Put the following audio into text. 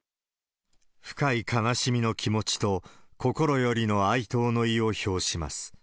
深い悲しみの気持ちと、心よりの哀悼の意を表します。